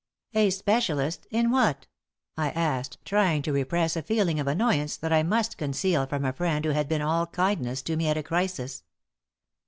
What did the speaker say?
"A specialist in what?" I asked, trying to repress a feeling of annoyance that I must conceal from a friend who had been all kindness to me at a crisis.